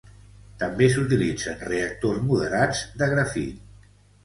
També s'utilitzen reactors moderats de grafit.